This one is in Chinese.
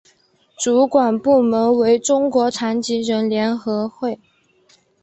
主管部门为中国残疾人联合会。